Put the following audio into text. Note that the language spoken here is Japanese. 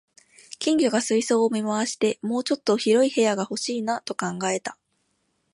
金魚が水槽を見回して、「もうちょっと広い部屋が欲しいな」と考えた